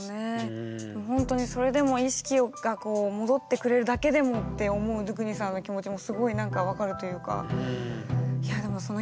ほんとにそれでも意識が戻ってくれるだけでもって思うドゥクニさんの気持ちもすごいなんか分かるというか。ってすごく思う。